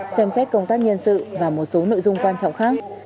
xem xét công tác nhân sự và một số nội dung quan trọng khác